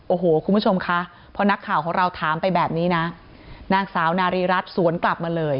โอ้โหคุณผู้ชมคะพอนักข่าวของเราถามไปแบบนี้นะนางสาวนารีรัฐสวนกลับมาเลย